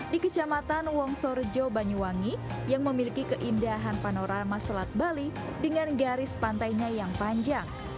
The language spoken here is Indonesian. di kecamatan wongsorejo banyuwangi yang memiliki keindahan panorama selat bali dengan garis pantainya yang panjang